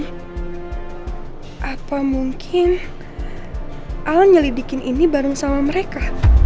hai apa mungkin al nyelidik ini bareng sama mereka